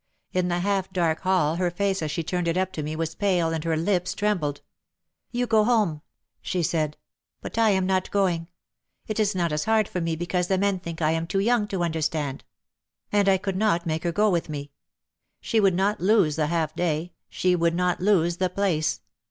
In the half dark hall her face as she turned it up to me was pale and her lips trembled. "You go home," she said. "But I am not going. It is not as hard for me because the men think I am too young to understand." And I could not make her go with me. She would not lose the half day, she would not lose the place.